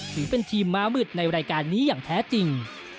ถือเป็นทีมม้ามืดในรายการนี้อย่างแท้จริง